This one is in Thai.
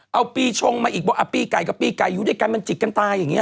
เอาปีชงมาอีกบอกปีไก่กับปีไก่อยู่ด้วยกันมันจิกกันตายอย่างนี้